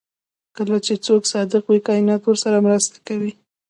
کله چې څوک صادق وي کائنات ورسره مرسته کوي.